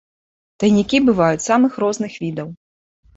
Тайнікі бываюць самых розных відаў.